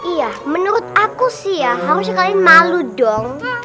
iya menurut aku sih ya harus sekali malu dong